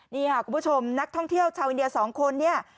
นี่ค่ะคุณผู้ชมนักท่องเที่ยวชาวอินเดีย๒คนเนี่ย